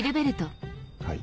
はい。